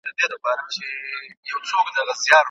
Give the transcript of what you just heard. سپایان باید د وطن ساتونکي وي.